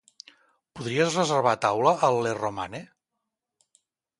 Podries reservar taula al Le Romane?